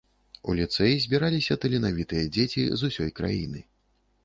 У ліцэй збіраліся таленавітыя дзеці з усёй краіны.